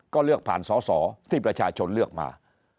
ก็เลือกผ่านสอสอที่ประชาชนเลือกมา